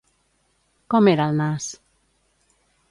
Com era el nas?